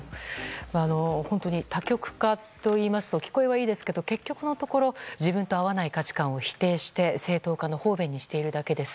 本当に多極化といいますと聞こえはいいですけど結局のところ自分と合わない価値観を否定して、正当化の方便にしているだけです。